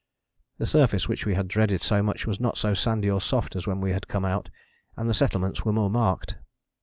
The surface which we had dreaded so much was not so sandy or soft as when we had come out, and the settlements were more marked.